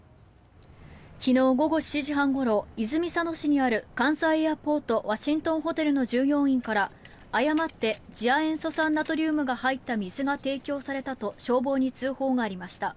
昨日午後７時半ごろ泉佐野市にある関西エアポートワシントンホテルの従業員から誤って、次亜塩素酸ナトリウムが入った水が提供されたと消防に通報がありました。